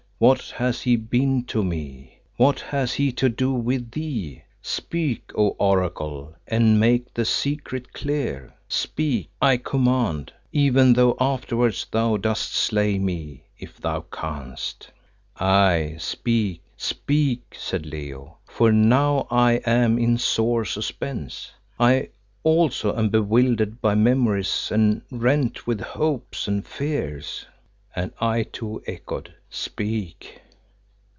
What has he been to me? What has he to do with thee? Speak, O Oracle and make the secret clear. Speak, I command, even though afterwards thou dost slay me if thou canst." "Aye, speak! speak!" said Leo, "for know I am in sore suspense. I also am bewildered by memories and rent with hopes and fears." And I too echoed, "Speak!"